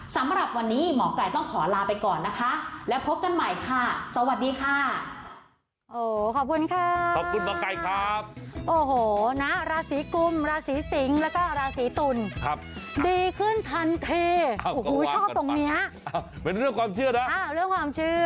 สำหรับวันนี้หมอไก่ต้องขอลาไปก่อนนะคะและพบกันใหม่ค่ะสวัสดีค่ะ